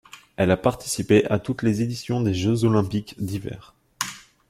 Elle a participé à toutes les éditions des Jeux olympiques d'hiver.